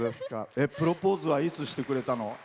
プロポーズはいつしてくれたの？